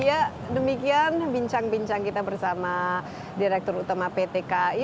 ya demikian bincang bincang kita bersama direktur utama pt kai